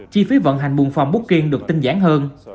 chi phí vận hành buôn phòng bút kiên được tinh giản hơn